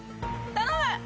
頼む！